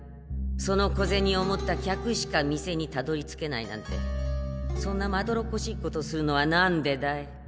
その小銭を持った客しか店にたどりつけないなんてそんなまどろっこしいことするのはなんでだい？